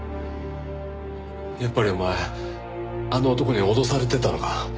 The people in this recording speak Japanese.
やっぱりお前あの男に脅されてたのか？